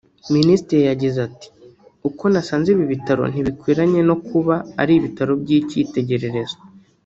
Minisitiri yagize ati “uko nasanze ibi bitaro ntibikwiranye no kuba ari ibitaro by’icyitegererezo